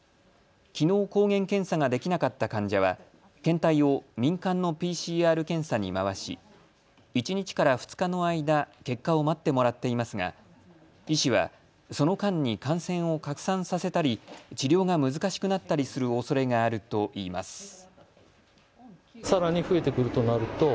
きのう抗原検査ができなかった患者は検体を民間のＰＣＲ検査に回し１日から２日の間、結果を待ってもらっていますが医師は、その間に感染を拡散させたり治療が難しくなったりするおそれがあるといいます。